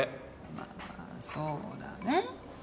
まあまあそうだね。